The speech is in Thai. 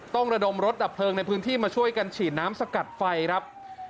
ระดมรถดับเพลิงในพื้นที่มาช่วยกันฉีดน้ำสกัดไฟครับ